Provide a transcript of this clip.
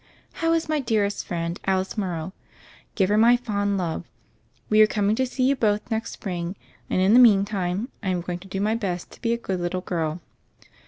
How is my dearest friend, Alice Morrow? Give her my fond love. We are coming to see you both next spring; and in the meantime, I am going to do my best to be a good little girl.